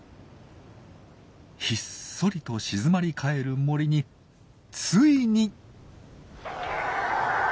ひっそりと静まり返る森についに！